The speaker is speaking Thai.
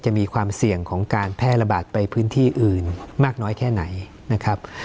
มีความเสี่ยงของการแพร่ระบาดไปพื้นที่อื่นมากน้อยแค่ไหนนะครับ